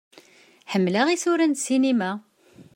Ḥemmleɣ isura n ssinima.